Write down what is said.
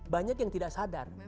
banyak yang tidak sadar